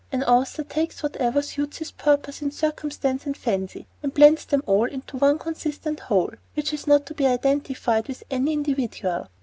An author takes whatever suits his purpose in circumstance and fancy, and blends them all into one consistent whole, which is not to be identified with any individual.